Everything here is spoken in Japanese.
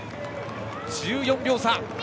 １４秒差。